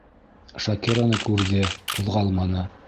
Шакираны күрҙе, ҡуҙғалманы.